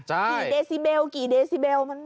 กี่เดซิเบลกี่เดซิเบล